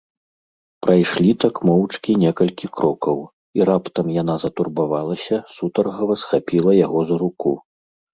Прайшлі так моўчкі некалькі крокаў, і раптам яна затурбавалася, сутаргава схапіла яго за руку.